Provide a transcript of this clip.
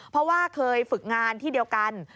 เพราะว่าเคยฝึกงานที่เดียวกัน